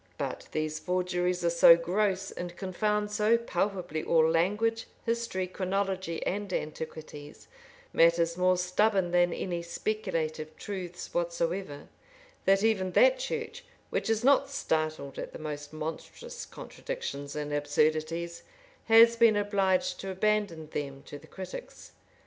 But these forgeries are so gross, and confound so palpably all language, history, chronology, and antiquities, matters more stubborn than any speculative truths whatsoever, that even that church, which is not startled at the most monstrous contradictions and absurdities, has been obliged to abandon them to the critics.